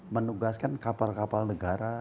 menugaskan kapal kapal negara